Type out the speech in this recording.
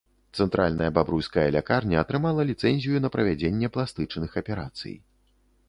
Цэнтральная бабруйская лякарня атрымала ліцэнзію на правядзенне пластычных аперацый.